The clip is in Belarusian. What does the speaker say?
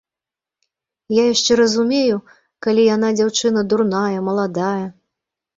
Я яшчэ разумею, калі яна дзяўчына дурная, маладая.